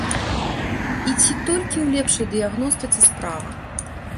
І ці толькі ў лепшай дыягностыцы справа?